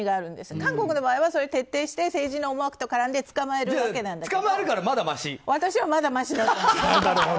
韓国の場合は徹底して政治の思惑と絡んで捕まえるわけなんだけど。